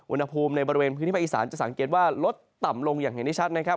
อุณหภูมิในบริเวณพื้นที่ภาคอีสานจะสังเกตว่าลดต่ำลงอย่างเห็นได้ชัดนะครับ